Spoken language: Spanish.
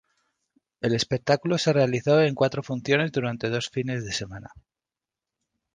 El espectáculo se realizó en cuatro funciones durante dos fines de semana.